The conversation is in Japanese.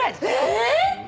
えっ！？